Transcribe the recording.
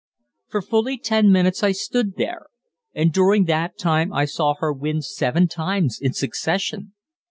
For fully ten minutes I stood there, and during that time I saw her win seven times in succession.